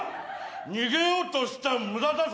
逃げようとしても無駄だぞ。